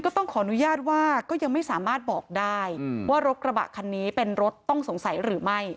ต้องขออนุญาตว่าก็ยังไม่สามารถบอกได้ว่ารถกระบะคันนี้เป็นรถต้องสงสัยหรือไม่